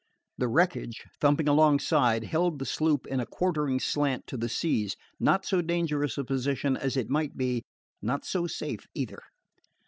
The wreckage, thumping alongside, held the sloop in a quartering slant to the seas not so dangerous a position as it might be, nor so safe, either.